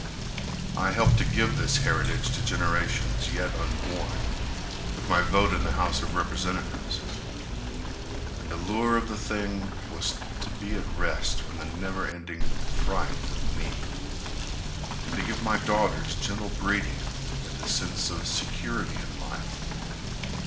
I helped to give this heritage To generations yet unborn, with my vote In the House of Representatives, And the lure of the thing was to be at rest From the never—ending fright of need, And to give my daughters gentle breeding, And a sense of security in life.